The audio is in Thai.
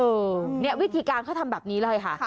เนี่ยวิธีการเขาทำแบบนี้เลยค่ะ